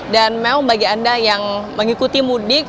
dan mau bagi anda yang mengikuti mudik